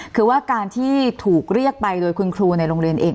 คือว่าการที่ถูกเรียกไปโดยคุณครูในโรงเรียนเอง